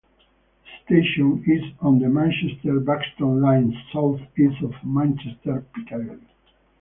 The station is on the Manchester-Buxton Line south east of Manchester Piccadilly.